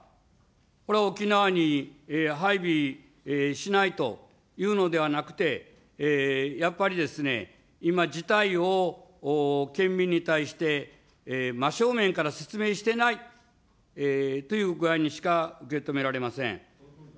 これは沖縄に配備しないというのではなくて、やっぱりですね、今、事態を、県民に対して真正面から説明してないという具合にしか受け止められません。